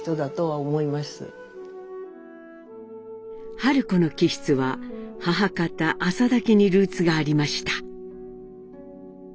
春子の気質は母方「浅田家」にルーツがありました。